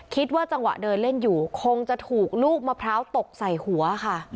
คิดว่าจังหวะเดินเล่นอยู่คงจะถูกลูกมะพร้าวตกใส่หัวค่ะ